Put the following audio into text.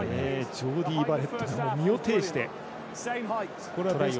ジョーディー・バレットが身をていして防ぎました。